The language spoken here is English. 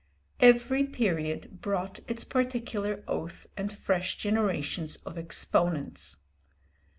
Every period brought its particular oath and fresh generations of exponents.